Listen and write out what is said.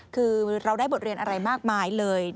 คือเราได้บทเรียนอะไรมากมายเลย